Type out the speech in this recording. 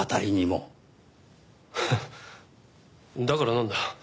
ハッだからなんだ？